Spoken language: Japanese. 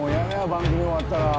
番組終わったら。